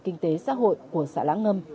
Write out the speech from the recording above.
kinh tế xã hội của xã lãng ngâm